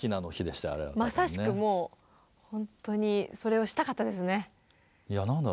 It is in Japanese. まさしくもうほんとにそれをしたかったですね。